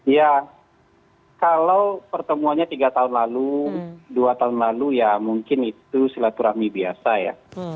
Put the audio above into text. ya kalau pertemuannya tiga tahun lalu dua tahun lalu ya mungkin itu silaturahmi biasa ya